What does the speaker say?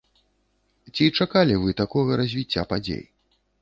Ці чакалі вы такога развіцця падзей?